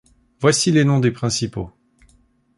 Voici les noms des principaux.